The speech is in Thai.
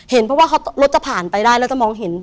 เห็นเพราะว่ารถจะผ่านไปได้แล้วจะมองเห็น